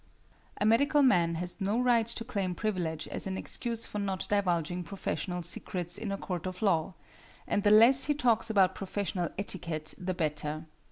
A medical man has no right to claim privilege as an excuse for not divulging professional secrets in a court of law, and the less he talks about professional etiquette the better.